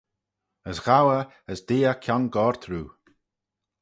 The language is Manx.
As ghow eh, as d'ee eh kiongoyrt roo.